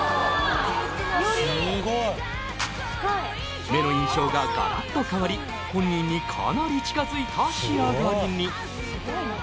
すごい！目の印象ががらっと変わり本人にかなり近づいた仕上がりに。